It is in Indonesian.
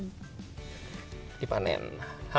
harusnya jika jamur ini tidak berhubungan dengan jamur tiram